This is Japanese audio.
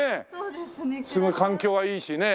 すごい環境はいいしね。